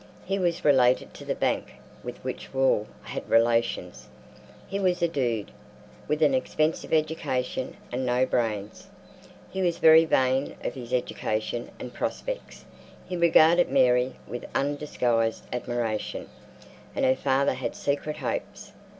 He was related to the bank with which Wall had relations. He was a dude, with an expensive education and no brains. He was very vain of his education and prospects. He regarded Mary with undisguised admiration, and her father had secret hopes.